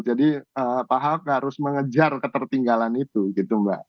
jadi pak ahok harus mengejar ketertinggalan itu gitu mbak